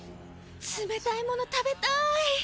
つめたいもの食べたい！